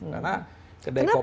karena kedai kopi